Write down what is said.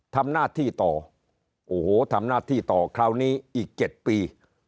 ทำหน้าที่ต่อโอ้โหทำหน้าที่ต่อคราวนี้อีก๗ปี